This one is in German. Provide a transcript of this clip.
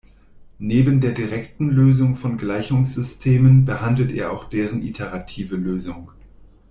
Neben der direkten Lösung von Gleichungssystemen behandelt er auch deren iterative Lösung.